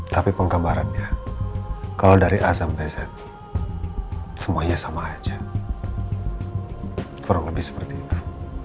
tapi pengkabarannya kalau dari a sampai z semuanya sama aja kurang lebih seperti itu